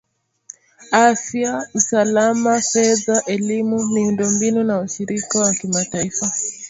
,afya , usalama , fedha , elimu , miundo mbinu na ushirikiano wa kimataifa